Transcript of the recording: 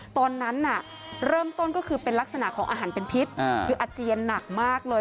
ตอนนั้นน่ะเริ่มต้นก็คือเป็นลักษณะของอาหารเป็นพิษคืออาเจียนหนักมากเลย